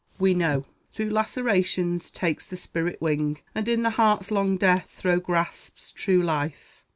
We know "Through lacerations takes the spirit wing, And in the heart's long death throe grasps true life."